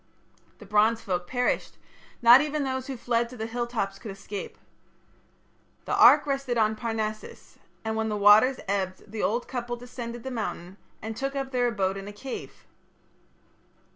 The Bronze folk perished: not even those who fled to the hilltops could escape. The ark rested on Parnassus, and when the waters ebbed the old couple descended the mountain and took up their abode in a cave.